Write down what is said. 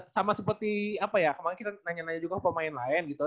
sama seperti apa ya kemaren kita nanya nanya juga pemain lain gitu